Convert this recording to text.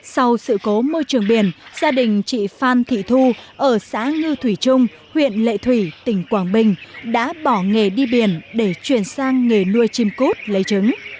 sau sự cố môi trường biển gia đình chị phan thị thu ở xã như thủy trung huyện lệ thủy tỉnh quảng bình đã bỏ nghề đi biển để chuyển sang nghề nuôi chim cút lấy trứng